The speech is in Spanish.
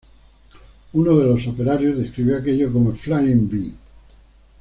Uno de los operarios describió aquello como "a flying vee".